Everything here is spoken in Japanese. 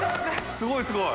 すごいすごい。